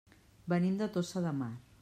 Venim de Tossa de Mar.